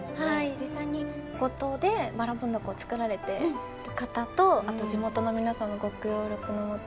実際に五島でばらもん凧を作られてる方とあと地元の皆さんのご協力のもと。